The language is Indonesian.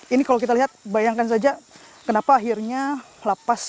ini kalau kita lihat bayangkan saja kenapa akhirnya lapas